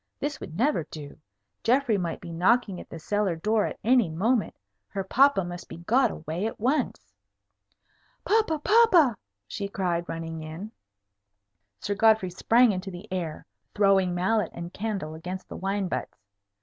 This would never do. Geoffrey might be knocking at the cellar door at any moment. Her papa must be got away at once. "Papa! papa!" she cried, running in. Sir Godfrey sprang into the air, throwing mallet and candle against the wine butts.